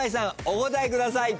お答えください。